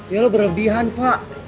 ya lo berlebihan fak